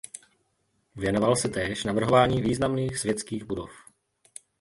Věnoval se též navrhování významných světských budov.